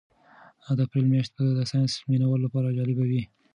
د اپریل میاشت به د ساینس مینه والو لپاره جالبه وي.